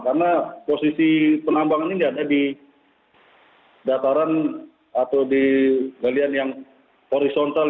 karena posisi penambangan ini tidak ada di dataran atau di galian yang horizontal